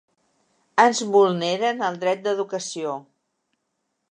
Ens vulneren el dret d’educació.